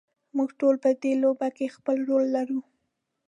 موږ ټول په دې لوبه کې خپل رول لرو.